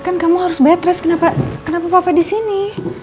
kan kamu harus bed rest kenapa papa disini